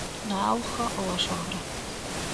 Na auga ou á sombra.